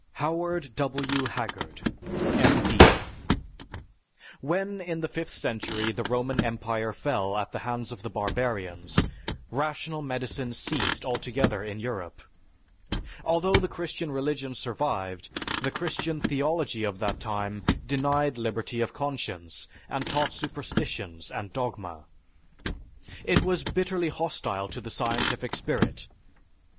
HOWARD W. HAGGARD, M. D. When in the fifth century the Roman Empire fell at the hands of the barbarians, rational medicine ceased altogether in Europe. Although the Christian religion survived, the Christian theology of that time denied liberty of conscience and taught superstitions and dogma. It was bitterly hostile to the scientific spirit.